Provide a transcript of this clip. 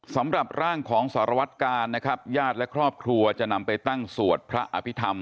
สำหรับร่างของสารวัตกาลนะครับญาติและครอบครัวจะนำไปตั้งสวดพระอภิษฐรรม